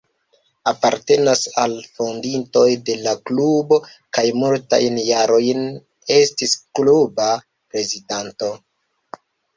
Apartenas al fondintoj de la klubo kaj multajn jarojn estis kluba prezidanto.